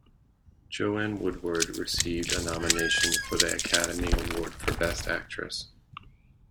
Joanne Woodward received a nomination for the Academy Award for Best Actress.